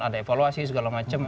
ada evaluasi segala macem